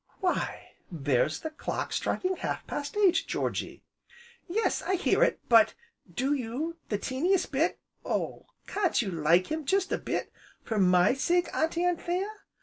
"Why there's the clock striking half past eight, Georgy!" "Yes, I hear it, but do you, the teeniest bit? Oh! can't you like him jest a bit for my sake, Auntie Anthea?